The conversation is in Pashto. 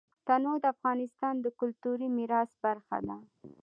تنوع د افغانستان د کلتوري میراث برخه ده.